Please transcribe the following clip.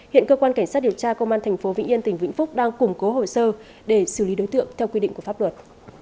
hiện cơ quan cảnh sát điều tra công an tp vĩnh yên tỉnh vĩnh phúc đang củng cố hồ sơ để xử lý đối tượng theo quy định của pháp luật